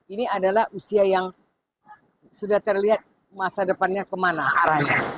ini adalah usia yang sudah terlihat masa depannya kemana arahnya